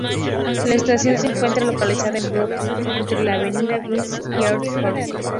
La estación se encuentra localizada en Brooklyn entre la Avenida Washington y Eastern Parkway.